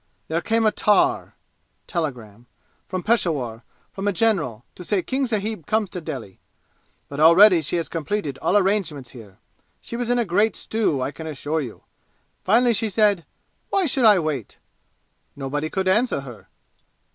There came a tar (telegram) from Peshawur, from a general, to say King sahib comes to Delhi; but already she had completed all arrangements here. She was in a great stew, I can assure you. Finally she said, 'Why should I wait?' Nobody could answer her."